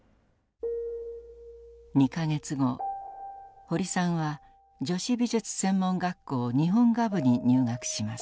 ２か月後堀さんは女子美術専門学校日本画部に入学します。